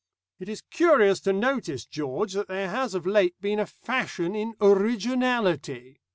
"It is curious to notice, George, that there has of late been a fashion in 'originality.'